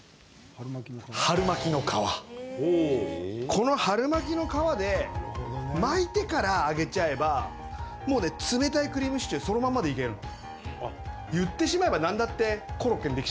この春巻きの皮で巻いてから揚げちゃえばもうね、冷たいクリームシチューそのままでいけるの。